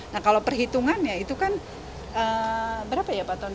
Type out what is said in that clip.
nah kalau perhitungannya itu kan berapa ya pak tony